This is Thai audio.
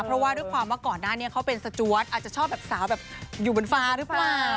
เพราะว่าด้วยความว่าก่อนหน้านี้เขาเป็นสจวดอาจจะชอบแบบสาวแบบอยู่บนฟ้าหรือเปล่า